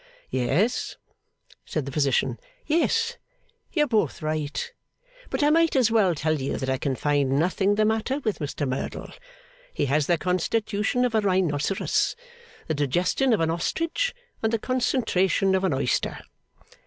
'Yes,' said the physician, 'yes, you are both right. But I may as well tell you that I can find nothing the matter with Mr Merdle. He has the constitution of a rhinoceros, the digestion of an ostrich, and the concentration of an oyster.